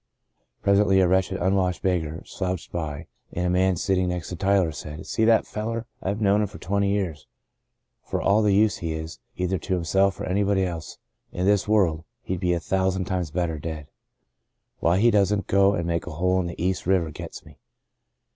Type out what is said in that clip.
Presently a wretched, unwashed beggar slouched by, and a man sitting next to Tyler said — "See that feller? Fve known him for twenty years. For all the use he is, either to himself or anybody else, in this world, he'd be a thousand times better dead. Why he doesn't go and make a hole in the East River gets me."